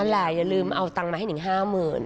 นั่นแหละอย่าลืมเอาตังมาให้หนิงห้าหมื่น